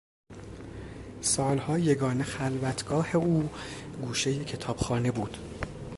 سالها یگانه خلوتگاه او گوشهی کتابخانه بود.